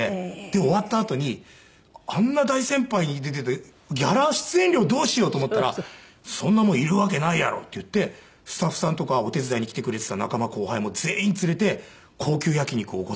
終わったあとにあんな大先輩に出てギャラ出演料どうしよう？と思ったら「そんなもんいるわけないやろ」って言ってスタッフさんとかお手伝いに来てくれていた仲間後輩も全員連れて高級焼き肉奢ってくれて。